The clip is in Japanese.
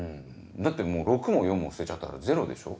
だってもう６も４も捨てちゃったらゼロでしょ？